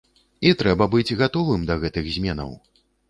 І трэба быць гатовым да гэтых зменаў.